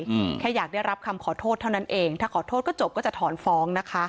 อืมแค่อยากได้รับคำขอโทษเท่านั้นเองถ้าขอโทษก็จบก็จะถอนฟ้องนะคะ